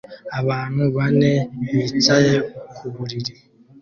Abantu bane bicaye ku buriri